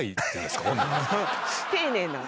丁寧な。